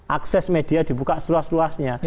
akses media dibuka seluas luasnya